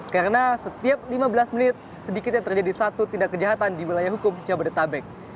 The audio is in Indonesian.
karena setiap lima belas menit sedikitnya terjadi satu tindak kejahatan di wilayah hukum jabodetabek